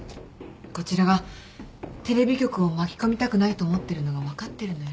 こちらがテレビ局を巻き込みたくないと思ってるのが分かってるのよね。